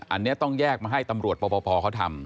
อันนี้ต้องแยกมาให้ตำรวจปปภเขาทำ